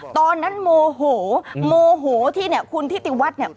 ตอนนั้นโมโหโมโหที่เนี่ยคุณทิติวัฒน์เนี่ย